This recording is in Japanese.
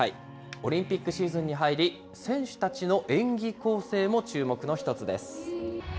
オリンピックシーズンに入り、選手たちの演技構成も注目の一つです。